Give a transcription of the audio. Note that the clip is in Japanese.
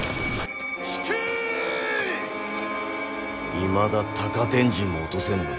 いまだ高天神も落とせぬのか。